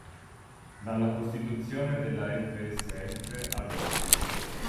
Dalla costituzione della FSF ad oggi.